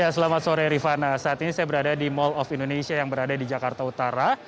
selamat sore rifana saat ini saya berada di mall of indonesia yang berada di jakarta utara